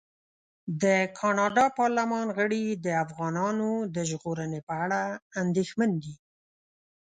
د کاناډا پارلمان غړي د افغانانو د ژغورنې په اړه اندېښمن دي.